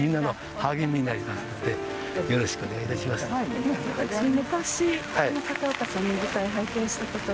ありがとうございます。